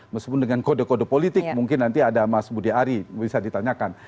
meskipun dengan kode kode politik mungkin nanti ada mas budi ari bisa ditanyakan